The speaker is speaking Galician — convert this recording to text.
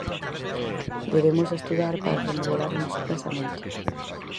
Debemos estudar para remodelar o noso pensamento.